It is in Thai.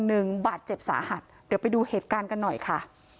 หนึ่งบาดเจ็บสาหัสเดี๋ยวไปดูเหตุการณ์กันหน่อยค่ะ